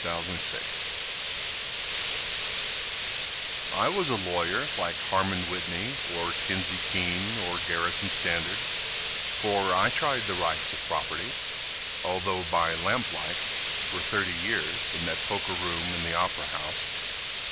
Tom Beatty I was a lawyer like Harmon Whitney Or Kinsey Keene or Garrison Standard, For I tried the rights of property, Although by lamp light, for thirty years, In that poker room in the opera house.